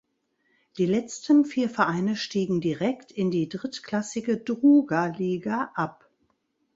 Die letzten vier Vereine stiegen direkt in die drittklassige Druga Liga ab.